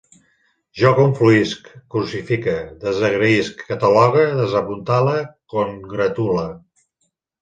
Jo confluïsc, crucifique, desagraïsc, catalogue, desapuntale, congratule